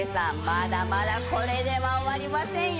まだまだこれでは終わりませんよ！